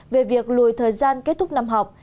về việc lùi thời gian kết thúc năm học